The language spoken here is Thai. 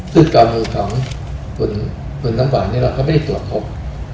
คือกรรมีของคุณน้องวัยเราก็ไม่ได้ตรวจพบ